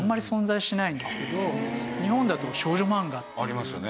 ありますよね。